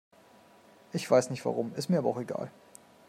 Ich weiß nicht warum, ist mir aber auch egal.